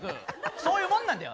そういうもんなんだよ。